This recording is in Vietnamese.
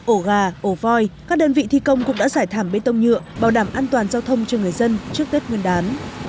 ổ gà ổ voi các đơn vị thi công cũng đã giải thảm bê tông nhựa bảo đảm an toàn giao thông cho người dân trước tết nguyên đán